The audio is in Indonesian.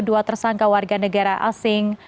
dua tersangka warga negara asing